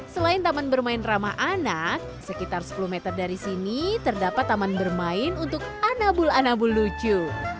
selain taman bermain ramah anak sekitar sepuluh meter dari sini terdapat taman bermain untuk anabul anabul lucu